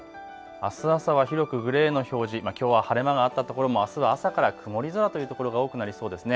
あす朝は広くグレーの表示、きょうは晴れ間があったところもあすは朝から曇り空というところが多くなりそうですね。